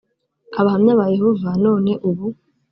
abahamya ba yehova none ubu